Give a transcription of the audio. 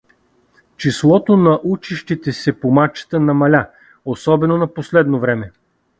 Числото на учащите се помачета намаля, особено на последно време.